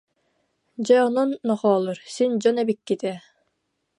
Дьэ, онон, но- холоор, син дьон эбиккит ээ